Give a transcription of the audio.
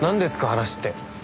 話って。